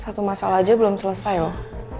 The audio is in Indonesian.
satu masalah aja belum selesai loh